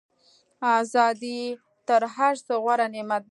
ازادي تر هر څه غوره نعمت دی.